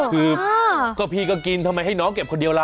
คือก็พี่ก็กินทำไมให้น้องเก็บคนเดียวล่ะ